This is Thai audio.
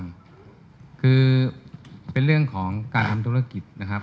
มันอย่างอย่างงี้ครับเดี๋ยวผมอธิบายให้ฟังคือเป็นเรื่องของการทำธุรกิจนะครับ